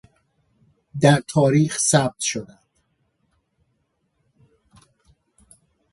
در تاریخ ثبت شدن